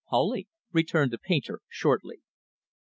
"Wholly," returned the painter, shortly.